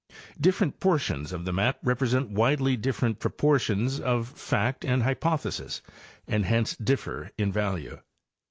Different portions of the map repre sent widely different proportions of fact and hypothesis, and hence differ in value.